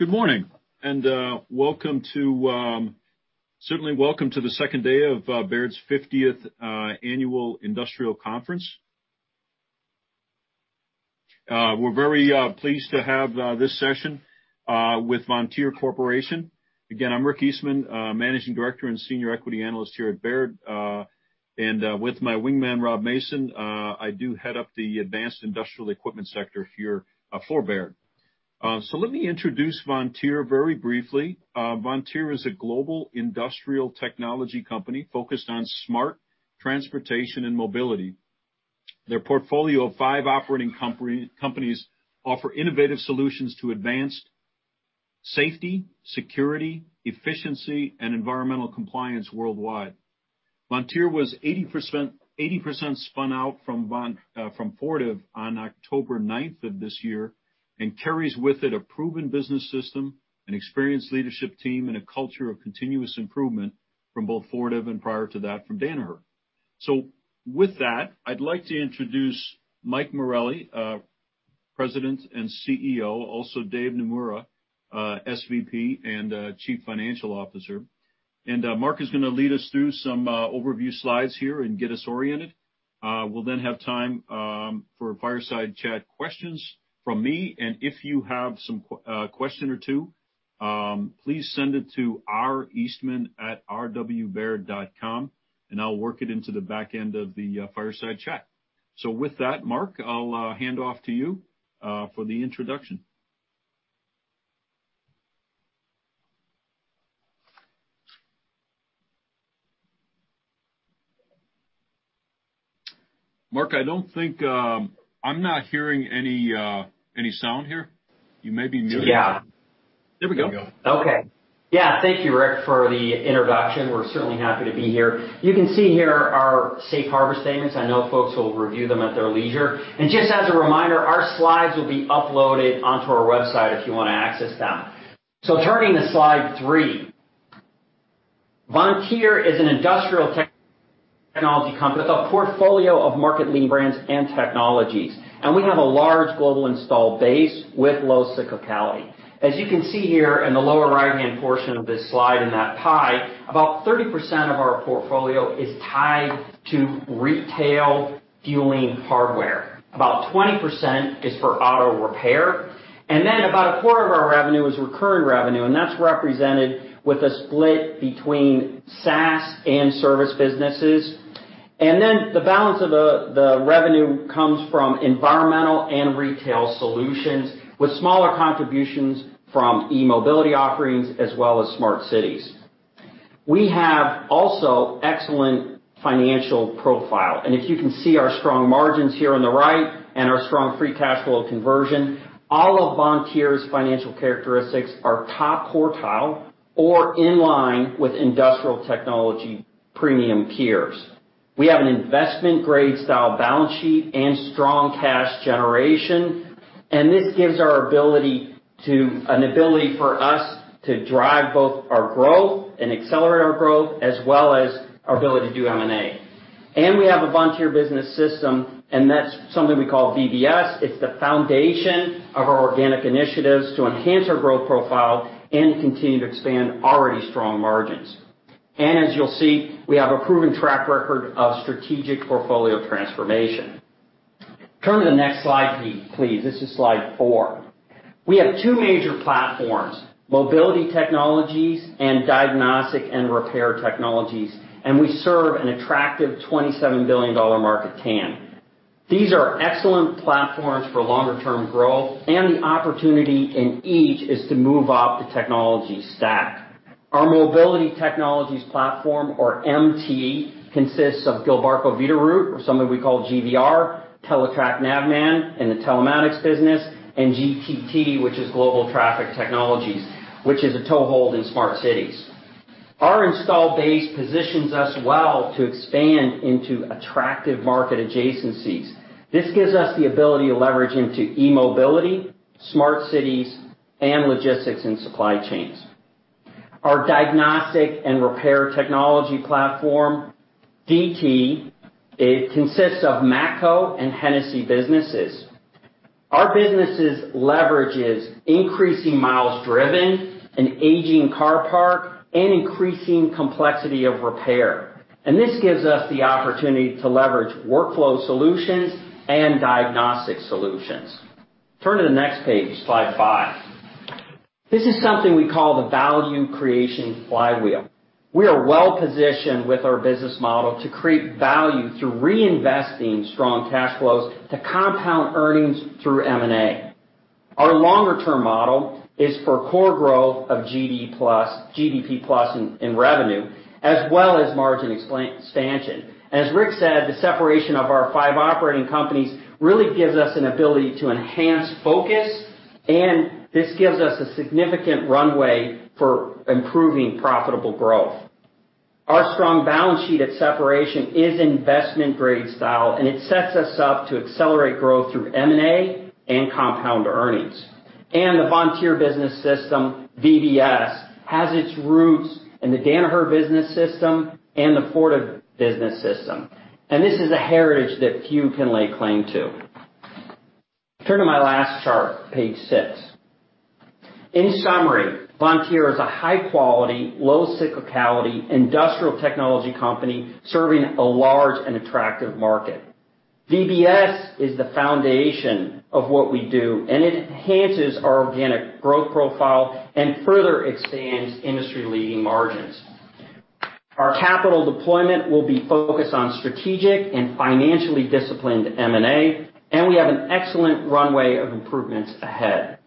Good morning. Certainly welcome to the second day of Baird 50th Global Industrial Conference. We're very pleased to have this session with Vontier Corporation. Again, I'm Richard Eastman, managing director and senior equity analyst here at Baird. With my wingman, Rob Mason, I do head up the advanced industrial equipment sector here for Baird. Let me introduce Vontier very briefly. Vontier is a global industrial technology company focused on smart transportation and mobility. Their portfolio of five operating companies offer innovative solutions to advanced safety, security, efficiency, and environmental compliance worldwide. Vontier was 80% spun out from Fortive on October 9th of this year and carries with it a proven business system, an experienced leadership team, and a culture of continuous improvement from both Fortive and prior to that, from Danaher. With that, I'd like to introduce Mark Morelli, President and CEO, also David Naemura, SVP and Chief Financial Officer. Mark is going to lead us through some overview slides here and get us oriented. We'll then have time for fireside chat questions from me. If you have some question or two, please send it to rweastman@rwbaird.com, and I'll work it into the back end of the fireside chat. With that, Mark, I'll hand off to you for the introduction. Mark, I'm not hearing any sound here. You may be muted. Yeah. There we go. Okay. Yeah. Thank you, Rick, for the introduction. We're certainly happy to be here. You can see here our safe harbor statements. I know folks will review them at their leisure. Just as a reminder, our slides will be uploaded onto our website if you want to access them. Turning to slide three. Vontier is an industrial technology company with a portfolio of market-leading brands and technologies. We have a large global installed base with low cyclicality. As you can see here in the lower right-hand portion of this slide in that pie, about 30% of our portfolio is tied to retail fueling hardware. About 20% is for auto repair. About a quarter of our revenue is recurring revenue, and that's represented with a split between SaaS and service businesses. The balance of the revenue comes from environmental and retail solutions, with smaller contributions from e-mobility offerings as well as smart cities. We have also excellent financial profile. If you can see our strong margins here on the right and our strong free cash flow conversion, all of Vontier's financial characteristics are top quartile or in line with industrial technology premium peers. We have an investment-grade style balance sheet and strong cash generation, this gives an ability for us to drive both our growth and accelerate our growth as well as our ability to do M&A. We have a Vontier Business System, and that's something we call VBS. It's the foundation of our organic initiatives to enhance our growth profile and continue to expand already strong margins. As you'll see, we have a proven track record of strategic portfolio transformation. Turn to the next slide, please. This is slide four. We have two major platforms, Mobility Technologies and Diagnostic and Repair Technologies, and we serve an attractive $27 billion market TAM. These are excellent platforms for longer term growth, and the opportunity in each is to move up the technology stack. Our Mobility Technologies platform, or MT, consists of Gilbarco Veeder-Root, or something we call GVR, Teletrac Navman in the telematics business, and GTT, which is Global Traffic Technologies, which is a toehold in smart cities. Our install base positions us well to expand into attractive market adjacencies. This gives us the ability to leverage into e-mobility, smart cities, and logistics and supply chains. Our Diagnostic and Repair Technology platform, DT, consists of Matco and Hennessy businesses. Our businesses leverages increasing miles driven, an aging car parc, and increasing complexity of repair. This gives us the opportunity to leverage workflow solutions and diagnostic solutions. Turn to the next page, slide five. This is something we call the value creation flywheel. We are well positioned with our business model to create value through reinvesting strong cash flows to compound earnings through M&A. Our longer-term model is for core growth of GDP plus in revenue, as well as margin expansion. As Rick said, the separation of our five operating companies really gives us an ability to enhance focus. This gives us a significant runway for improving profitable growth. Our strong balance sheet at separation is investment-grade style. It sets us up to accelerate growth through M&A and compound earnings. The Vontier Business System, VBS, has its roots in the Danaher Business System and the Fortive Business System. This is a heritage that few can lay claim to. Turn to my last chart, page six. In summary, Vontier is a high-quality, low cyclicality industrial technology company serving a large and attractive market. VBS is the foundation of what we do, and it enhances our organic growth profile and further expands industry-leading margins. Our capital deployment will be focused on strategic and financially disciplined M&A, and we have an excellent runway of improvements ahead.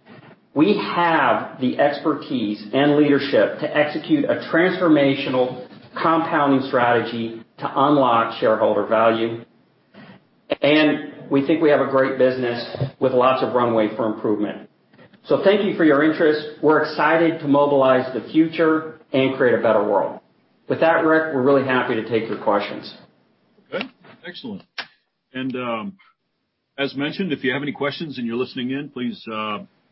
We have the expertise and leadership to execute a transformational compounding strategy to unlock shareholder value, and we think we have a great business with lots of runway for improvement. Thank you for your interest. We're excited to mobilize the future and create a better world. With that, Rick, we're really happy to take your questions. Okay. Excellent. As mentioned, if you have any questions and you're listening in, please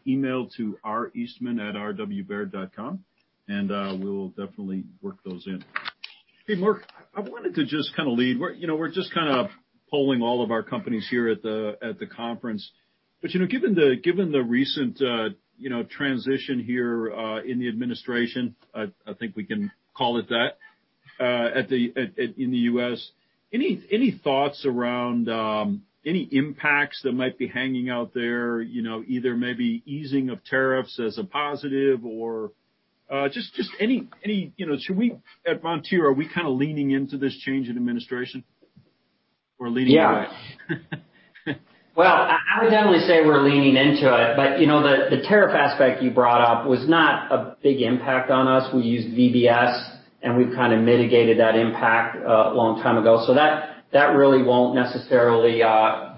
email to rweastman@rwbaird.com, and we'll definitely work those in. Hey, Mark, I wanted to just kind of lead. We're just kind of polling all of our companies here at the conference. Given the recent transition here in the administration, I think we can call it that, in the U.S., any thoughts around any impacts that might be hanging out there, either maybe easing of tariffs as a positive or just should we at Vontier, are we kind of leaning into this change in administration or leaning away? Well, I would definitely say we're leaning into it, but the tariff aspect you brought up was not a big impact on us. We used VBS, and we've kind of mitigated that impact a long time ago. That really won't necessarily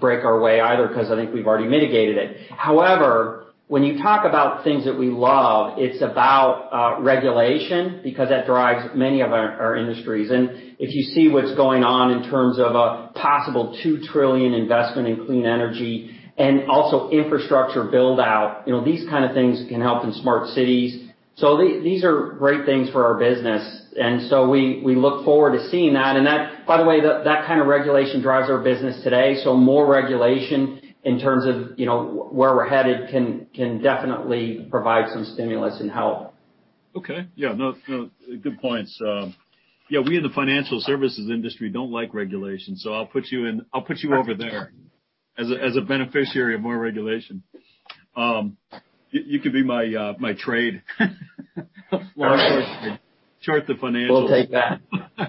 break our way either because I think we've already mitigated it. However, when you talk about things that we love, it's about regulation because that drives many of our industries, and if you see what's going on in terms of a possible $2 trillion investment in clean energy and also infrastructure build-out, these kind of things can help in smart cities. These are great things for our business, and so we look forward to seeing that. By the way, that kind of regulation drives our business today. More regulation in terms of where we're headed can definitely provide some stimulus and help. Okay. Yeah. No, good points. We in the financial services industry don't like regulations, so I'll put you over there as a beneficiary of more regulation. You could be my trade. Short the financials. We'll take that.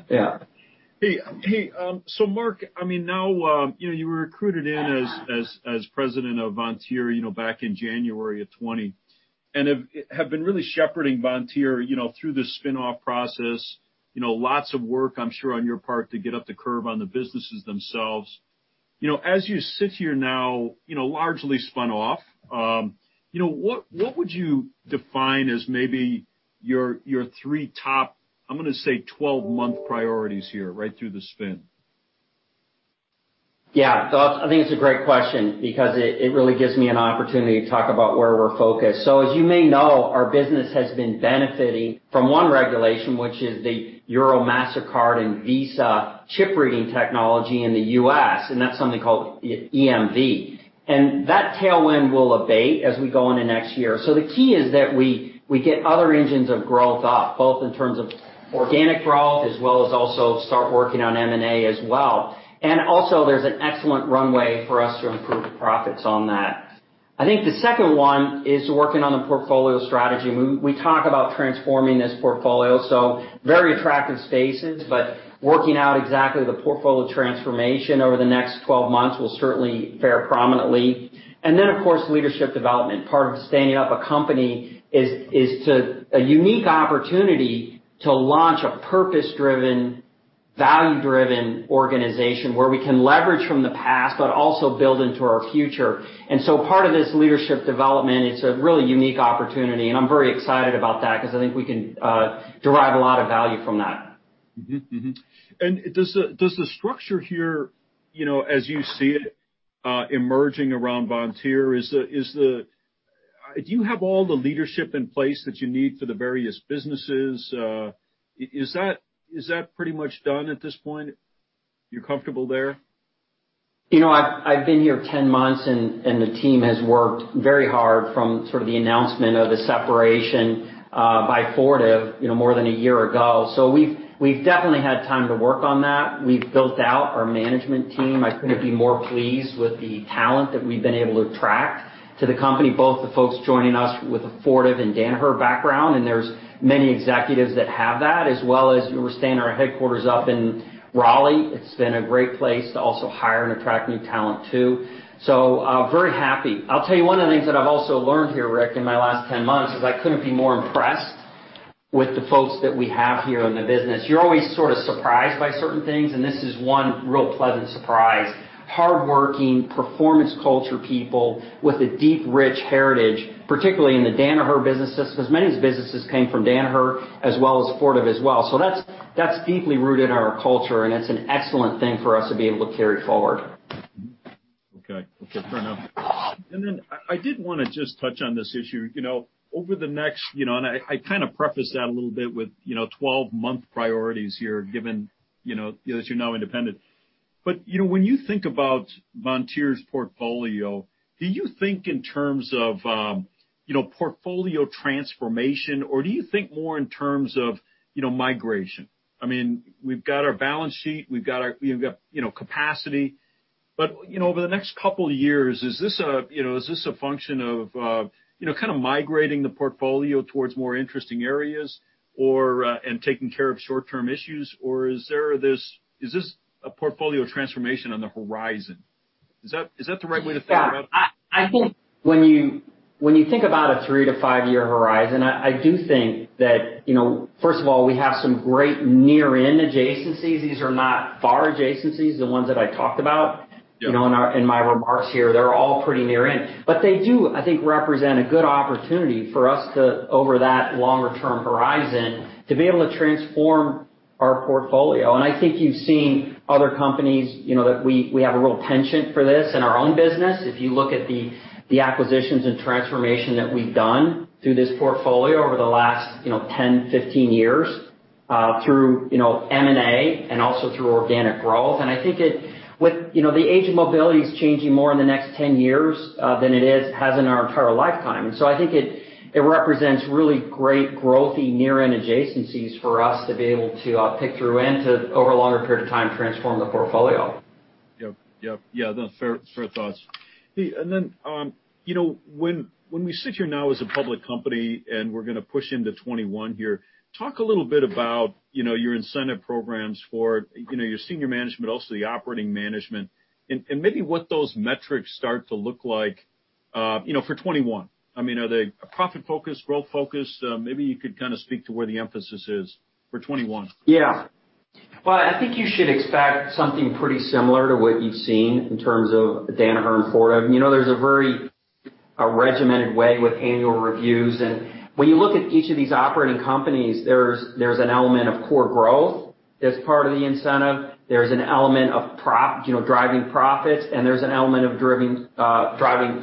Yeah. Hey, Mark, now you were recruited in as President of Vontier back in January of 2020, and have been really shepherding Vontier through the spin-off process. Lots of work, I'm sure, on your part to get up the curve on the businesses themselves. As you sit here now largely spun off, what would you define as maybe your three top, I'm going to say, 12-month priorities here right through the spin? Yeah. I think it's a great question because it really gives me an opportunity to talk about where we're focused. As you may know, our business has been benefiting from one regulation, which is the Europay, Mastercard, and Visa chip reading technology in the U.S., and that's something called EMV. That tailwind will abate as we go into next year. The key is that we get other engines of growth up, both in terms of organic growth as well as also start working on M&A as well. Also there's an excellent runway for us to improve profits on that. I think the second one is working on the portfolio strategy. We talk about transforming this portfolio, so very attractive spaces, but working out exactly the portfolio transformation over the next 12 months will certainly fare prominently. Of course, leadership development. Part of standing up a company is a unique opportunity to launch a purpose-driven, value-driven organization where we can leverage from the past but also build into our future. Part of this leadership development, it's a really unique opportunity, and I'm very excited about that because I think we can derive a lot of value from that. Does the structure here as you see it emerging around Vontier, do you have all the leadership in place that you need for the various businesses? Is that pretty much done at this point? You're comfortable there? I've been here 10 months, the team has worked very hard from sort of the announcement of the separation by Fortive more than a year ago. We've definitely had time to work on that. We've built out our management team. I couldn't be more pleased with the talent that we've been able to attract to the company, both the folks joining us with a Fortive and Danaher background, there's many executives that have that, as well as we're staying at our headquarters up in Raleigh. It's been a great place to also hire and attract new talent, too. Very happy. I'll tell you one of the things that I've also learned here, Rick, in my last 10 months is I couldn't be more impressed with the folks that we have here in the business. You're always sort of surprised by certain things. This is one real pleasant surprise. Hardworking, performance culture people with a deep, rich heritage, particularly in the Danaher businesses, because many of these businesses came from Danaher as well as Fortive as well. That's deeply rooted in our culture, and it's an excellent thing for us to be able to carry forward. Okay. Fair enough. I did want to just touch on this issue. Over the next, and I kind of prefaced that a little bit with 12-month priorities here given that you're now independent. When you think about Vontier's portfolio, do you think in terms of portfolio transformation, or do you think more in terms of migration? We've got our balance sheet, we've got capacity. Over the next couple of years, is this a function of kind of migrating the portfolio towards more interesting areas and taking care of short-term issues, or is this a portfolio transformation on the horizon? Is that the right way to think about it? I think when you think about a three to five-year horizon, I do think that, first of all, we have some great near-in adjacencies. These are not far adjacencies, the ones that I talked about. Yeah in my remarks here. They're all pretty near in. They do, I think, represent a good opportunity for us to, over that longer-term horizon, to be able to transform our portfolio. I think you've seen other companies, that we have a real penchant for this in our own business. If you look at the acquisitions and transformation that we've done through this portfolio over the last 10, 15 years, through M&A and also through organic growth. I think the age of mobility is changing more in the next 10 years, than it has in our entire lifetime. I think it represents really great growthy near-end adjacencies for us to be able to pick through and to, over a longer period of time, transform the portfolio. Yep. Those are fair thoughts. When we sit here now as a public company, and we're going to push into 2021 here, talk a little bit about your incentive programs for your senior management, also the operating management, and maybe what those metrics start to look like for 2021. Are they profit-focused, growth-focused? Maybe you could kind of speak to where the emphasis is for 2021. Yeah. Well, I think you should expect something pretty similar to what you've seen in terms of Danaher and Fortive. There's a very regimented way with annual reviews, and when you look at each of these operating companies, there's an element of core growth that's part of the incentive. There's an element of driving profits, and there's an element of driving strong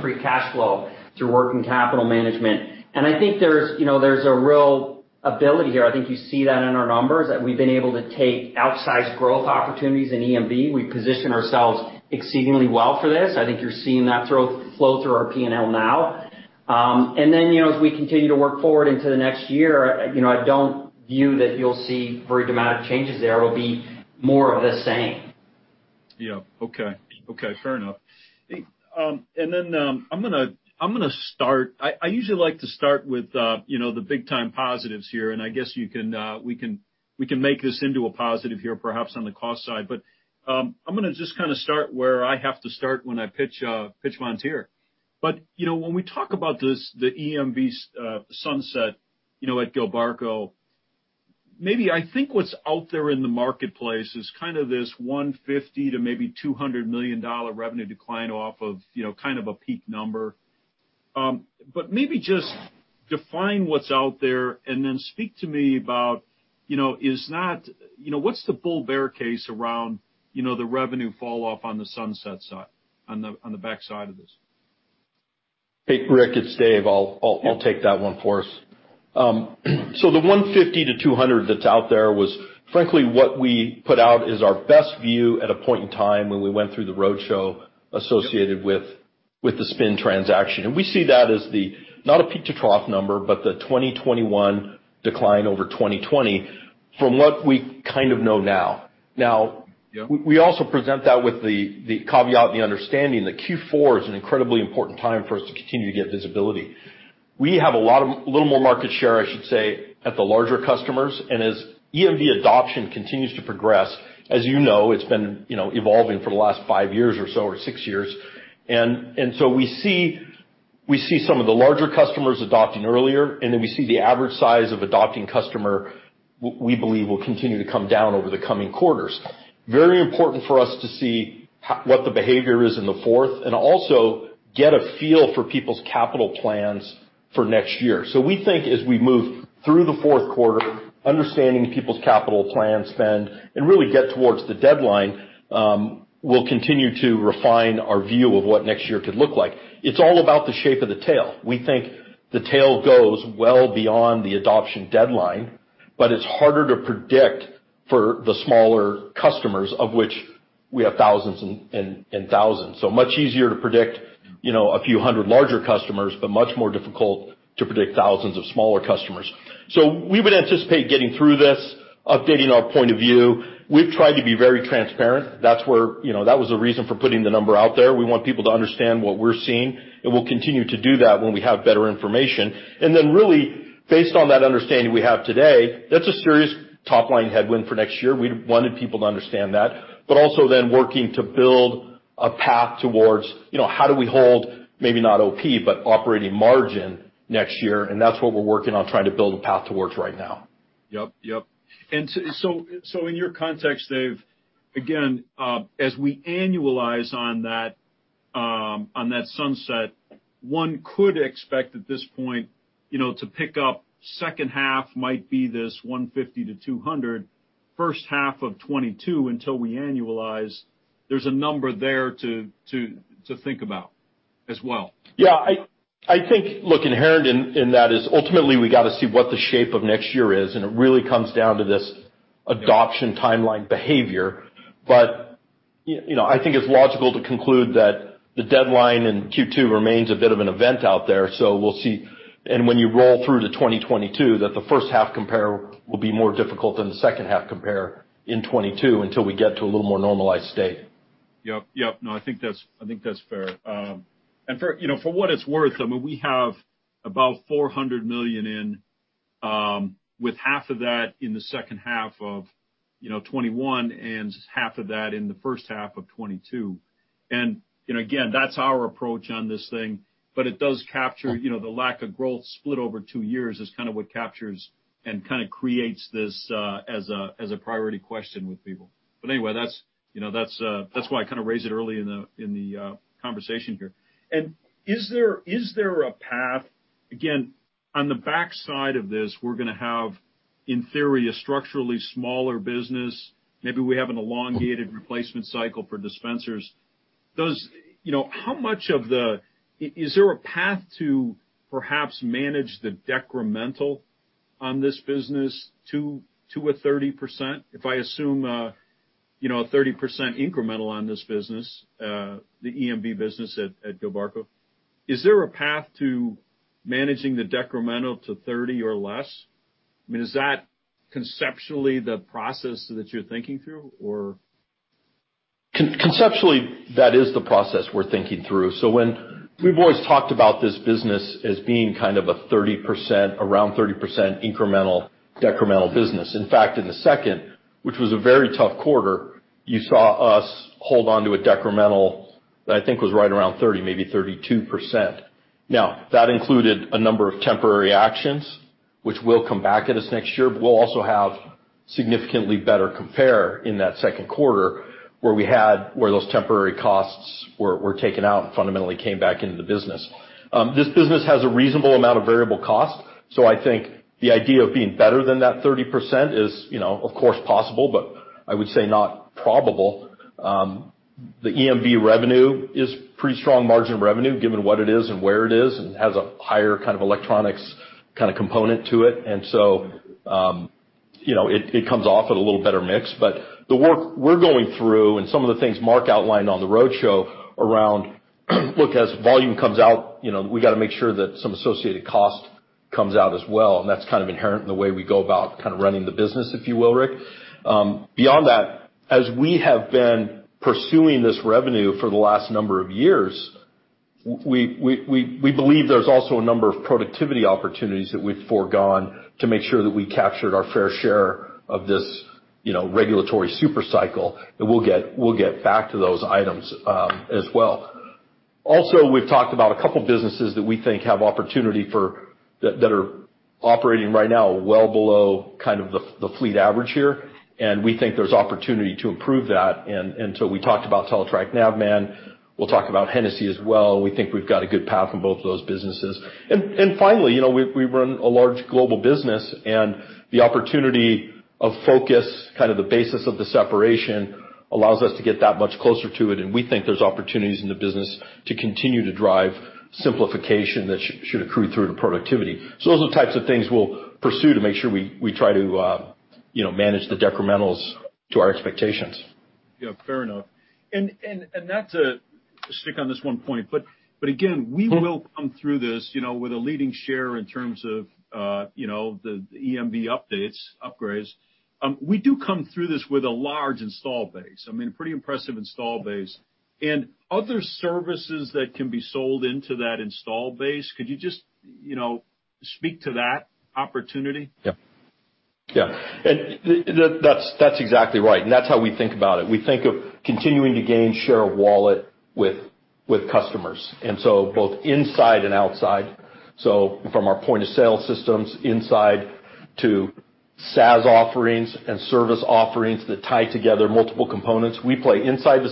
free cash flow through working capital management. I think there's a real ability here. I think you see that in our numbers, that we've been able to take outsized growth opportunities in EMV. We position ourselves exceedingly well for this. I think you're seeing that flow through our P&L now. As we continue to work forward into the next year, I don't view that you'll see very dramatic changes there. It will be more of the same. Yeah. Okay. Fair enough. I usually like to start with the big-time positives here, and I guess we can make this into a positive here, perhaps on the cost side. I'm going to just kind of start where I have to start when I pitch Vontier. When we talk about the EMV sunset at Gilbarco, maybe I think what's out there in the marketplace is kind of this $150 million to maybe $200 million revenue decline off of kind of a peak number. Maybe just define what's out there and then speak to me about what's the bull-bear case around the revenue fall off on the sunset side, on the backside of this? Hey, Rick, it's Dave. I'll take that one for us. The $150-$200 that's out there was, frankly, what we put out as our best view at a point in time when we went through the roadshow associated with the spin transaction. We see that as the, not a peak to trough number, but the 2021 decline over 2020 from what we kind of know now. Yeah. We also present that with the caveat and the understanding that Q4 is an incredibly important time for us to continue to get visibility. We have a little more market share, I should say, at the larger customers. As EMV adoption continues to progress, as you know, it's been evolving for the last five years or so, or six years. We see some of the larger customers adopting earlier, and then we see the average size of adopting customers. We Believe will continue to come down over the coming quarters. Very important for us to see what the behavior is in the fourth, and also get a feel for people's capital plans for next year. We think as we move through the fourth quarter, understanding people's capital plan spend and really get towards the deadline, we'll continue to refine our view of what next year could look like. It's all about the shape of the tail. We think the tail goes well beyond the adoption deadline, but it's harder to predict for the smaller customers, of which we have thousands and thousands. Much easier to predict a few hundred larger customers, but much more difficult to predict thousands of smaller customers. We would anticipate getting through this, updating our point of view. We've tried to be very transparent. That was the reason for putting the number out there. We want people to understand what we're seeing, and we'll continue to do that when we have better information. Really based on that understanding we have today, that's a serious top-line headwind for next year. We wanted people to understand that. Also then working to build a path towards how do we hold, maybe not OP, but operating margin next year, and that's what we're working on trying to build a path towards right now. Yep. In your context, Dave, again, as we annualize on that sunset, one could expect at this point to pick up second half might be this $150-$200. First half of 2022 until we annualize, there's a number there to think about as well. Yeah. I think, look, inherent in that is ultimately we got to see what the shape of next year is, and it really comes down to this adoption timeline behavior. I think it's logical to conclude that the deadline in Q2 remains a bit of an event out there, so we'll see. When you roll through to 2022, that the first half compare will be more difficult than the second half compare in 2022 until we get to a little more normalized state. Yep. No, I think that's fair. For what it's worth, we have about $400 million in, with half of that in the second half of 2021 and half of that in the first half of 2022. Again, that's our approach on this thing, but it does capture the lack of growth split over two years is kind of what captures and kind of creates this as a priority question with people. Anyway, that's why I kind of raise it early in the conversation here. Is there a path, again, on the backside of this, we're going to have, in theory, a structurally smaller business, maybe we have an elongated replacement cycle for dispensers? Is there a path to perhaps manage the decremental on this business to a 30%? If I assume a 30% incremental on this business, the EMV business at Gilbarco, is there a path to managing the decremental to 30% or less? I mean, is that conceptually the process that you're thinking through, or? Conceptually, that is the process we're thinking through. We've always talked about this business as being kind of around 30% incremental decremental business. In fact, in the second, which was a very tough quarter, you saw us hold onto a decremental that I think was right around 30, maybe 32%. That included a number of temporary actions which will come back at us next year, but we'll also have significantly better compare in that second quarter, where those temporary costs were taken out and fundamentally came back into the business. This business has a reasonable amount of variable cost, I think the idea of being better than that 30% is, of course possible, but I would say not probable. The EMV revenue is pretty strong margin revenue, given what it is and where it is, and has a higher kind of electronics component to it. It comes off at a little better mix. The work we're going through and some of the things Mark outlined on the roadshow around, look, as volume comes out, we got to make sure that some associated cost comes out as well, and that's kind of inherent in the way we go about kind of running the business, if you will, Rick. Beyond that, as we have been pursuing this revenue for the last number of years, we believe there's also a number of productivity opportunities that we've foregone to make sure that we captured our fair share of this regulatory super cycle, and we'll get back to those items as well. We've talked about a couple of businesses that we think have opportunity that are operating right now well below the fleet average here, and we think there's opportunity to improve that. We talked about Teletrac Navman, we'll talk about Hennessy as well, and we think we've got a good path in both of those businesses. Finally, we run a large global business and the opportunity of focus, kind of the basis of the separation allows us to get that much closer to it, and we think there's opportunities in the business to continue to drive simplification that should accrue through to productivity. Those are the types of things we'll pursue to make sure we try to manage the decrementals to our expectations. Yeah, fair enough. Not to stick on this one point, but again, we will come through this with a leading share in terms of the EMV updates, upgrades. We do come through this with a large install base. I mean, a pretty impressive install base. Other services that can be sold into that install base, could you just speak to that opportunity? Yeah. That's exactly right, and that's how we think about it. We think of continuing to gain share of wallet with customers, both inside and outside. From our point-of-sale systems inside to SaaS offerings and service offerings that tie together multiple components. We play inside the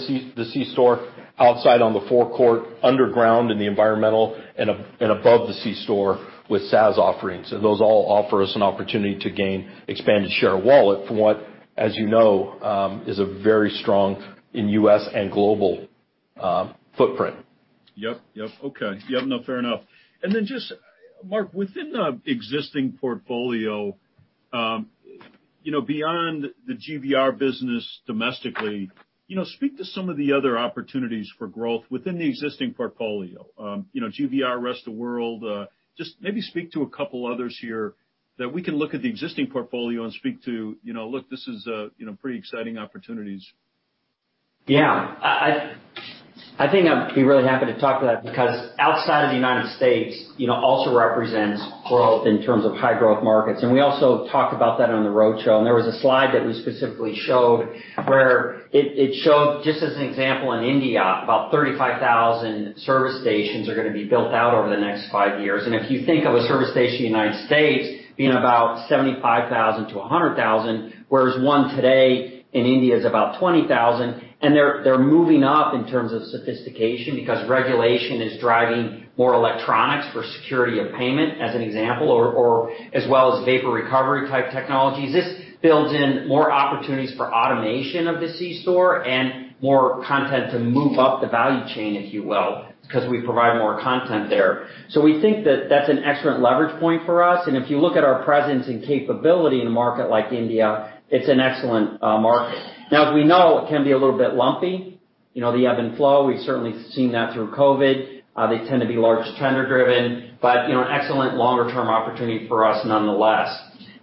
C-store, outside on the forecourt, underground in the environmental, and above the C-store with SaaS offerings. Those all offer us an opportunity to gain expanded share of wallet from what, as you know, is a very strong in U.S. and global footprint. Yep. Okay. Fair enough. Just, Mark, within the existing portfolio, beyond the GVR business domestically, speak to some of the other opportunities for growth within the existing portfolio. GVR rest of world, just maybe speak to a couple others here that we can look at the existing portfolio and speak to, look, this is pretty exciting opportunities. Yeah. I think I'd be really happy to talk to that because outside of the U.S., also represents growth in terms of high growth markets. We also talked about that on the roadshow. There was a slide that we specifically showed where it showed, just as an example, in India, about 35,000 service stations are going to be built out over the next five years. If you think of a service station in the U.S. being about 75,000 to 100,000, whereas one today in India is about 20,000, and they're moving up in terms of sophistication because regulation is driving more electronics for security of payment, as an example, or as well as vapor recovery type technologies. This builds in more opportunities for automation of the C-store and more content to move up the value chain, if you will, because we provide more content there. We think that that's an excellent leverage point for us, and if you look at our presence and capability in a market like India, it's an excellent market. Now, as we know, it can be a little bit lumpy, the ebb and flow, we've certainly seen that through COVID. They tend to be large tender driven, but an excellent longer-term opportunity for us nonetheless.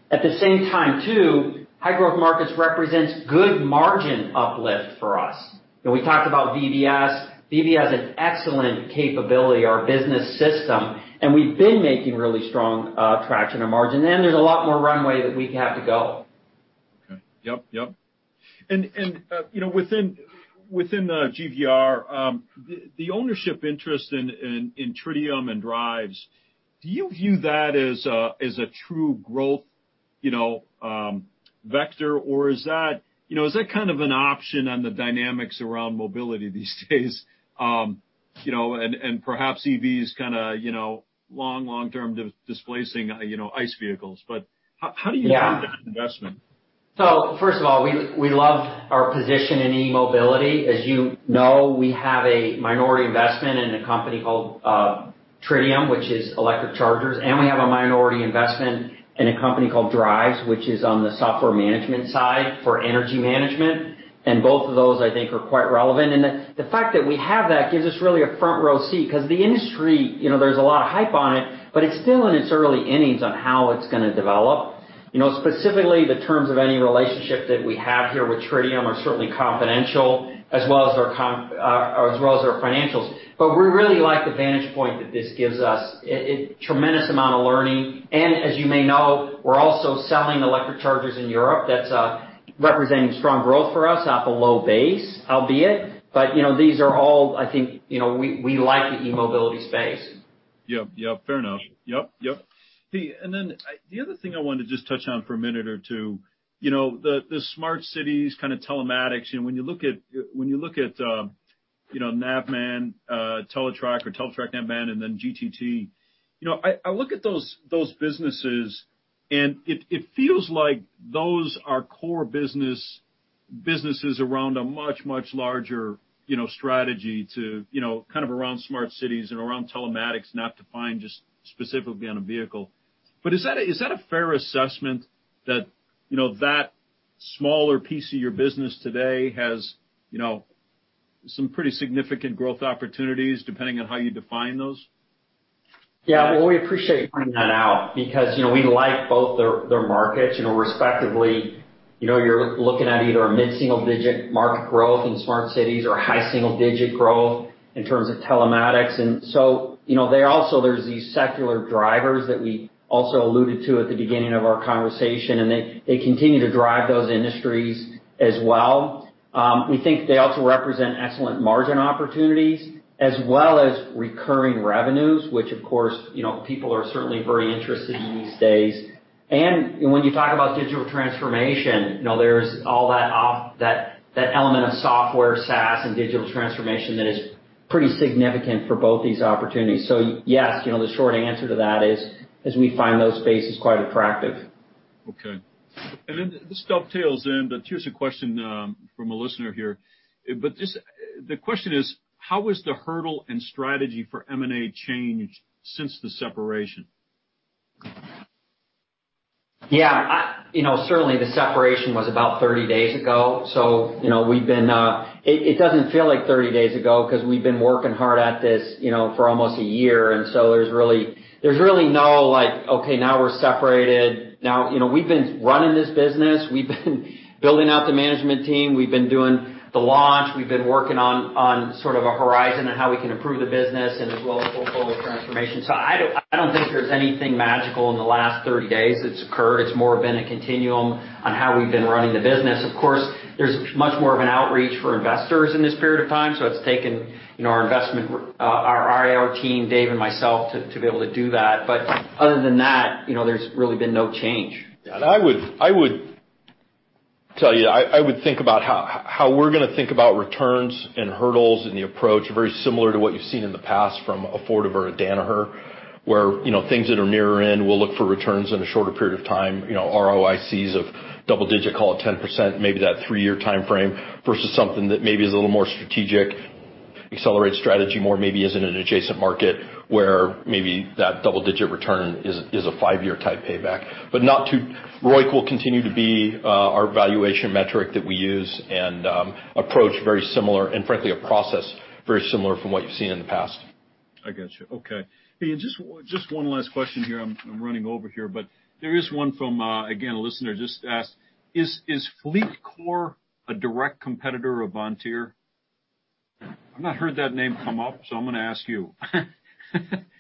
At the same time, too, high-growth markets represents good margin uplift for us. We talked about VBS. VBS is an excellent capability, our business system, and we've been making really strong traction on margin, and there's a lot more runway that we have to go. Okay. Yep. Within the GVR, the ownership interest in Tritium and Driivz, do you view that as a true growth vector, or is that kind of an option on the dynamics around e-mobility these days, perhaps EVs long-term displacing ICE vehicles? How do you view that investment? First of all, we love our position in e-mobility. As you know, we have a minority investment in a company called Tritium, which is electric chargers, and we have a minority investment in a company called Driivz, which is on the software management side for energy management. Both of those, I think, are quite relevant. The fact that we have that gives us really a front-row seat, because the industry, there's a lot of hype on it, but it's still in its early innings on how it's going to develop. Specifically, the terms of any relationship that we have here with Tritium are certainly confidential, as well as our financials. We really like the vantage point that this gives us. A tremendous amount of learning. As you may know, we're also selling electric chargers in Europe. That's representing strong growth for us, off a low base, albeit. These are all, I think we like the e-mobility space. Yep. Fair enough. Yep. The other thing I wanted to just touch on for a minute or two, the smart cities kind of telematics, when you look at Navman, Teletrac or Teletrac Navman, and then GTT. I look at those businesses, and it feels like those are core businesses around a much, much larger strategy to kind of around smart cities and around telematics, not defined just specifically on a vehicle. Is that a fair assessment that smaller piece of your business today has some pretty significant growth opportunities depending on how you define those? Well, we appreciate you pointing that out because we like both their markets. Respectively, you're looking at either a mid-single-digit market growth in smart cities or high single-digit growth in terms of telematics. There's these secular drivers that we also alluded to at the beginning of our conversation, and they continue to drive those industries as well. We think they also represent excellent margin opportunities as well as recurring revenues, which of course, people are certainly very interested in these days. When you talk about digital transformation, there's all that element of software, SaaS, and digital transformation that is pretty significant for both these opportunities. Yes, the short answer to that is we find those spaces quite attractive. Okay. This dovetails in, but here's a question from a listener here. The question is, how has the hurdle and strategy for M&A changed since the separation? Yeah. Certainly, the separation was about 30 days ago. It doesn't feel like 30 days ago because we've been working hard at this for almost a year. There's really no, "Okay, now we're separated." We've been running this business. We've been building out the management team. We've been doing the launch. We've been working on a horizon on how we can improve the business and as well as portfolio transformation. I don't think there's anything magical in the last 30 days that's occurred. It's more been a continuum on how we've been running the business. Of course, there's much more of an outreach for investors in this period of time. It's taken our IR team, Dave, and myself to be able to do that. Other than that, there's really been no change. I would tell you, I would think about how we're going to think about returns and hurdles and the approach very similar to what you've seen in the past from Fortive or Danaher, where things that are nearer in, we'll look for returns in a shorter period of time, ROICs of double-digit, call it 10%, maybe that three-year timeframe, versus something that maybe is a little more strategic, accelerate strategy more, maybe is in an adjacent market where maybe that double-digit return is a five-year type payback. ROIC will continue to be our valuation metric that we use and approach very similar and frankly, a process very similar from what you've seen in the past. I got you. Okay. Just one last question here. I'm running over here. There is one from, again, a listener just asked, "Is FleetCor a direct competitor of Vontier?" I've not heard that name come up, so I'm going to ask you.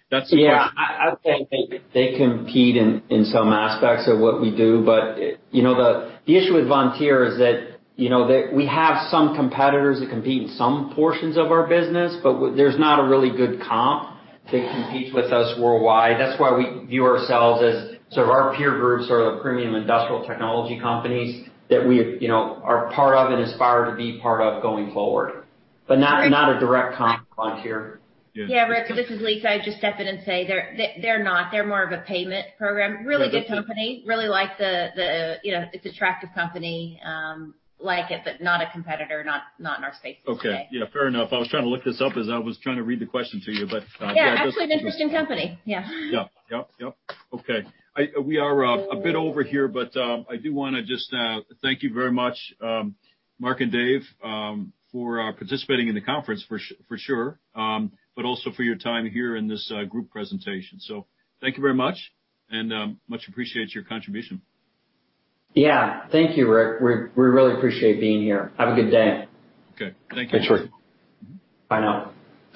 That's the question. I would say they compete in some aspects of what we do. The issue with Vontier is that we have some competitors that compete in some portions of our business, but there's not a really good comp to compete with us worldwide. That's why we view ourselves as sort of our peer groups are the premium industrial technology companies that we are part of and aspire to be part of going forward. Not a direct comp to Vontier. Yeah. Yeah, Rick, this is Lisa. I'll just step in and say they're not. They're more of a payment program. Really good company. It's attractive company. Like it, but not a competitor, not in our space today. Okay. Yeah, fair enough. I was trying to look this up as I was trying to read the question to you. Yeah, actually they're an interesting company. Yeah. Yep. Okay. We are a bit over here. I do want to just thank you very much, Mark and Dave, for participating in the conference, for sure, but also for your time here in this group presentation. Thank you very much, and much appreciate your contribution. Yeah. Thank you, Rick. We really appreciate being here. Have a good day. Okay. Thank you. Thanks, Rick. Bye now.